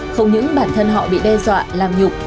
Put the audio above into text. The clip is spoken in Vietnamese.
không những bản thân họ bị đe dọa làm nhục